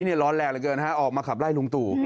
นี่ร้อนแรงเหลือเกินออกมาขับไล่ลุงตู่